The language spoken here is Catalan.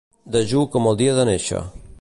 Dejú com el dia de néixer.